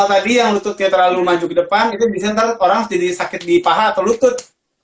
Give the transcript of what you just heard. jadi yang lututnya terlalu maju ke depan itu bisa ntar orang jadi sakit di paha atau lutut